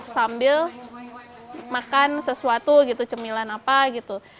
sambil makan sesuatu gitu cemilan apa gitu